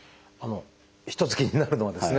一つ気になるのはですね